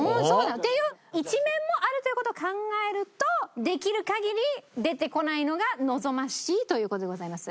っていう一面もあるという事を考えるとできる限り出てこないのが望ましいという事でございます。